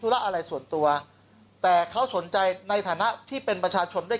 ระอะไรส่วนตัวแต่เขาสนใจในฐานะที่เป็นประชาชนด้วย